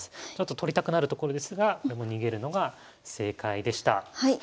取りたくなるところですがこれも逃げるのが正解でした。